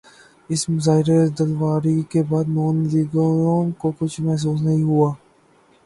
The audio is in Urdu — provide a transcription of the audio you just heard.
اس مظاہرہ دلاوری کے بعد نون لیگیوں کو کچھ محسوس نہیں ہوا؟